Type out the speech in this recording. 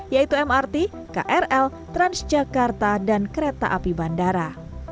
yaitu mrt krl transjakarta dan kereta api bandara